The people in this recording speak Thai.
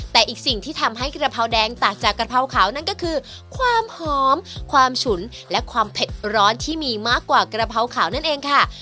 แต่อีกสิ่งที่ทำให้กระเพราแดงต่างจากกะเพราขาวนั่นก็คือความหอมความฉุนและความเผ็ดร้อนที่มีมากกว่ากระเพราขาวนั่นเองค่ะ